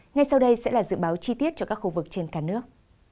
ngay sau đây sẽ là dự báo chi tiết cho các khu vực trên cả nước